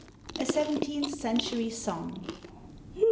A SEVENTEENTH CENTURY SONG.